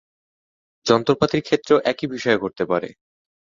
যন্ত্রপাতির ক্ষেত্রেও একই বিষয় ঘটতে পারে।